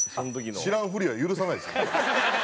知らんふりは許さないですよ。